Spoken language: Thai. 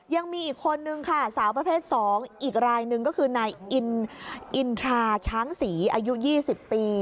ยังมีอีกคนนึงค่ะสาวประเภท๒อีกรายหนึ่งก็คือนายอินทราช้างศรีอายุ๒๐ปี